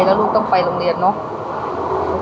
แล้วลูกต้องไปโรงเรียนเนอะ